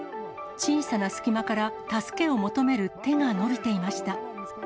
小さな隙間から助けを求める手が伸びていました。